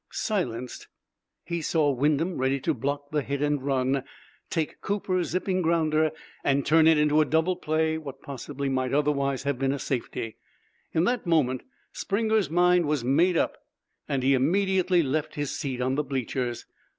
Silenced, he saw Wyndham, ready to block the hit and run, take Cooper's zipping grounder and turn into a double play what possibly might otherwise have been a safety. In that moment Springer's mind was made up, and he immediately left his seat on the bleachers.